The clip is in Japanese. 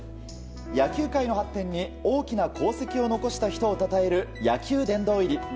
野球界の発展に大きな功績を残した人をたたえる野球殿堂入り。